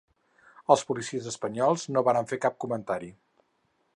Els policies espanyols no varen fer cap comentari.